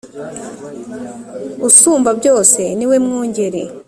usumba byose niwe mwungeri .